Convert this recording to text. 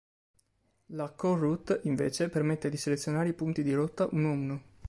La "co route", invece, permette di selezionare i punti di rotta uno a uno.